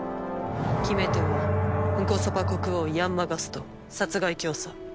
決め手はンコソパ国王ヤンマ・ガスト殺害教唆。